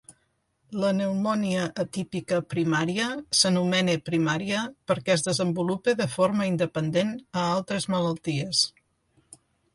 "La pneumònia atípica primària" s'anomena "primària" perquè es desenvolupa de forma independent a altres malalties.